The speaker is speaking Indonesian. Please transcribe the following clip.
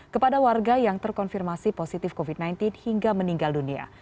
kepada warga yang terkonfirmasi positif covid sembilan belas hingga meninggal dunia